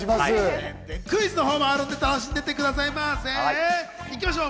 クイズのほうもあるんで、楽しんでってくださいませ。